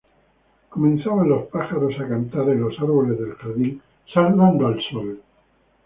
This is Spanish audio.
comenzaban los pájaros a cantar en los árboles del jardín, saludando al sol